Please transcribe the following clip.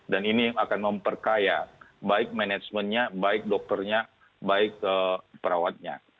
dan ini akan memperkaya baik manajemennya baik dokternya baik perawatnya